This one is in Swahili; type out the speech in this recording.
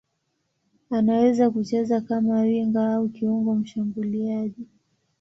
Anaweza kucheza kama winga au kiungo mshambuliaji.